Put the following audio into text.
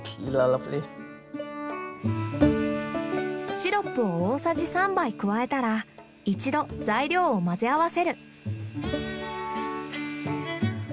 シロップを大さじ３杯加えたら一度材料を混ぜ合わせる。